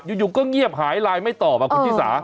อยู่ก็เงียบหายไลน์ไม่ตอบคุณชิสา